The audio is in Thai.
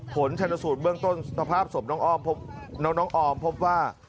ผลชันสูตรเบื้องต้นสภาพศพน้องออมพบว่า